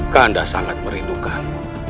kanda sangat merindukanmu